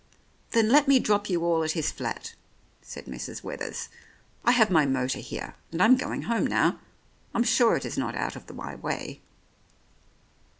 "Then let me drop you all at his flat," said Mrs. Withers. "I have my motor here, and I'm going home now. I am sure it is not out of my way."